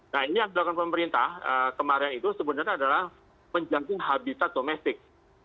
nah ini yang dilakukan pemerintah kemarin itu sebenarnya adalah menjangkit habitat domestik